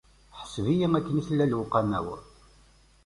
Ḥaseb-iyi akken i tella lewqama-w.